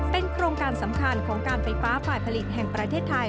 เป็นโครงการสำคัญของการไฟฟ้าฝ่ายผลิตแห่งประเทศไทย